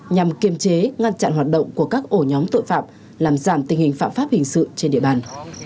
nhằm kiềm chế ngăn chặn hoạt động của các ổ nhóm tội phạm làm giảm tình hình phạm pháp hình sự trên địa bàn